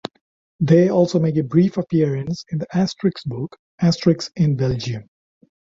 They also make a brief appearance in the Asterix book "Asterix in Belgium".